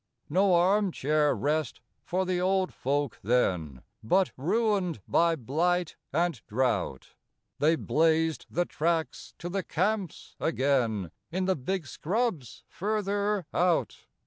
No armchair rest for the old folk then But, ruined by blight and drought, They blazed the tracks to the camps again In the big scrubs further out.